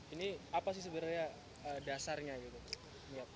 ini apa sih sebenarnya dasarnya gitu